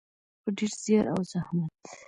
په ډیر زیار او زحمت.